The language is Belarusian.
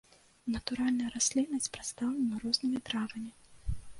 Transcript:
Натуральная расліннасць прадстаўлена рознымі травамі.